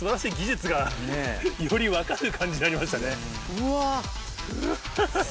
うわ！